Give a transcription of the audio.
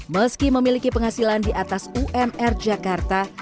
meski memiliki penghasilan di atas umr jakarta